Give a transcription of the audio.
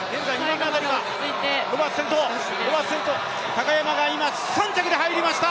高山が今、３着で入りました。